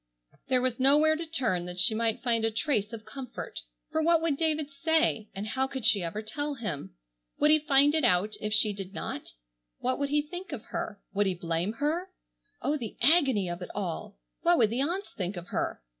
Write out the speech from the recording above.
There was nowhere to turn that she might find a trace of comfort. For what would David say, and how could she ever tell him? Would he find it out if she did not? What would he think of her? Would he blame her? Oh, the agony of it all! What would the aunts think of her!